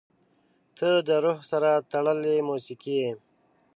• ته د روح سره تړلې موسیقي یې.